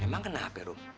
emang kenapa rum